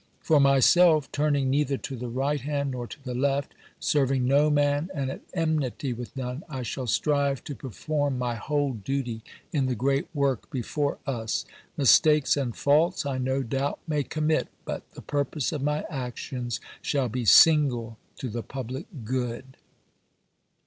For myself, tui'ning neither to the right hand nor to the left, serving no man, and at enmity with none, I shall strive to perform my whole duty in the great work before us. Mistakes and faults I no doubt may commit, but the purpose of my actions shall be single to the public good."